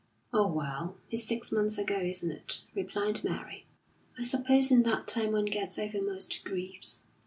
"Oh, well, it's six months ago, isn't it?" replied Mary. "I suppose in that time one gets over most griefs.